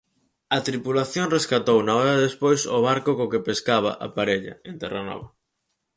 Á tripulación rescatouna horas despois o barco co que pescaba "á parella" en Terranova.